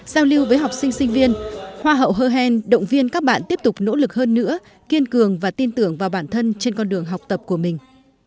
giao lưu với học sinh sinh viên khoa hậu hơ hèn động viên các bạn tiếp tục nỗ lực hơn nữa kiên cường và tin tưởng vào bản thân trên con đường học tập của mình